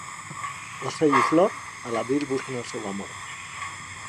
Ocell i flor, a l'abril busquen el seu amor.